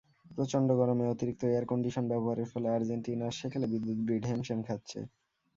প্রচণ্ড গরমে অতিরিক্ত এয়ার কন্ডিশন ব্যবহারের ফলে আর্জেন্টিনার সেকেলে বিদ্যুৎ গ্রিড হিমশিম খাচ্ছে।